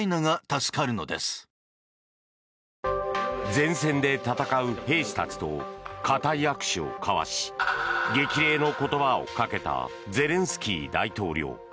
前線で戦う兵士たちと固い握手を交わし激励の言葉をかけたゼレンスキー大統領。